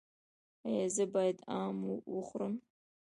ایا زه باید ام وخورم؟